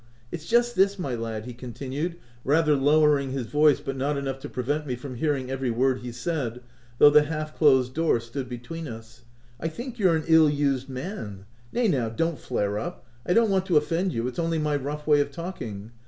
It's just this, my lad," he continued, rather lower ing his voice, but not enough to prevent me from hearing every word he said, though the half closed door stood between us :" I think you're an ill used man — nay, now, don't flare up — I don't want to offend you : it's only my rough way of talking.